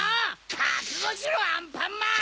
かくごしろアンパンマン！